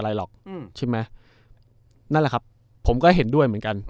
หรอกอืมใช่ไหมนั่นแหละครับผมก็เห็นด้วยเหมือนกัน